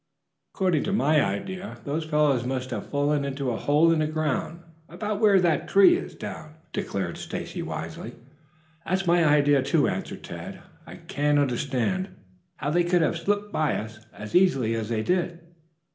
"According to my idea those fellows must have fallen into a hole in the ground about where that tree is down," declared Stacy wisely. "That is my idea too," answered Tad. "I can't understand how they could have slipped by us as easily as they did."